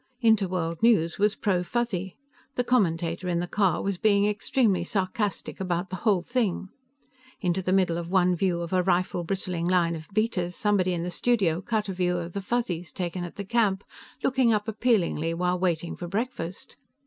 Interworld News was pro Fuzzy; the commentator in the car was being extremely sarcastic about the whole thing. Into the middle of one view of a rifle bristling line of beaters somebody in the studio cut a view of the Fuzzies, taken at the camp, looking up appealingly while waiting for breakfast.